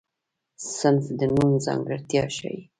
صفت د نوم ځانګړتیا ښيي.